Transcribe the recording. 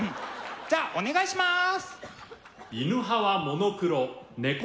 じゃあお願いします。